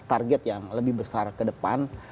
target yang lebih besar ke depan